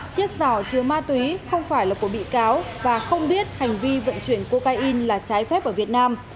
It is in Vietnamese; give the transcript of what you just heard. chiếc giỏ chứa ma túy không phải là của bị cáo và không biết hành vi vận chuyển cocaine là trái phép ở việt nam